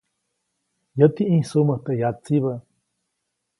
Yäti ʼĩjsuʼmät teʼ yatsibä.